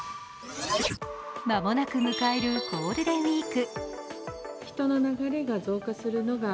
間もなく迎えるゴールデンウイーク。